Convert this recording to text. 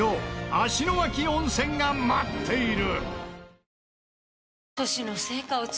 芦ノ牧温泉が待っている。